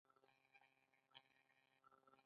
د ګال سټون د صفرا ډبرې دي.